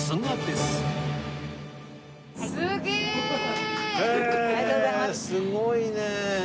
すごいね！